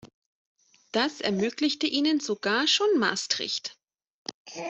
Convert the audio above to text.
Das ermöglichte ihnen sogar schon Maastricht.